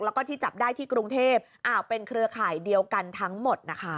แล้วก็ที่จับได้ที่กรุงเทพเป็นเครือข่ายเดียวกันทั้งหมดนะคะ